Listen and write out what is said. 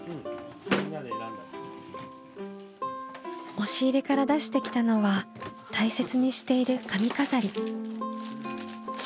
押し入れから出してきたのは大切にしている髪飾り。